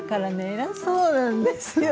偉そうなんですよ。